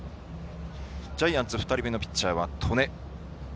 ジャイアンツ２人目のピッチャーは戸根。